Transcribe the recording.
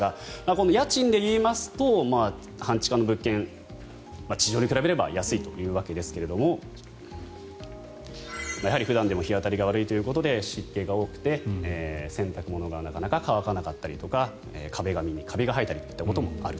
この家賃でいいますと半地下の物件地上に比べれば安いわけですがやはり普段でも日当たりが悪いということで湿気が多くて、洗濯物がなかなか乾かなかったりとか壁紙にカビが生えたりということも。